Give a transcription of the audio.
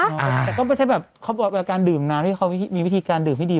แต่ก็ไม่ใช่แบบเขาบอกเวลาการดื่มน้ำที่เขามีวิธีการดื่มให้ดี